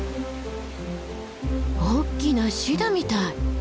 おっきなシダみたい。